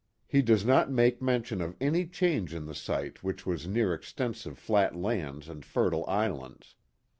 He does not make mention of any change in the site which was near extensive flat lands and fertile islands.